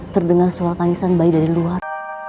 terdengar suara kaisang bayi dari luar